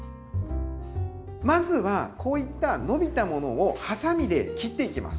まずはこういった伸びたものをハサミで切っていきます。